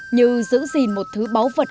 như giữ gìn một thứ báu vật